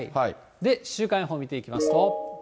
週間予報を見ていきますと。